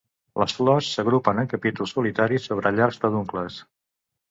Les flors s'agrupen en capítols solitaris sobre llargs peduncles.